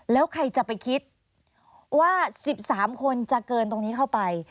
แล้วใครจะไปคิดว่า๑๓คนจะเกินตรงนี้เข้าไป